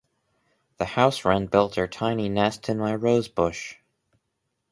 The house wren built her tiny nest in my rose bush.